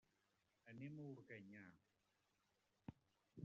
Anem a Organyà.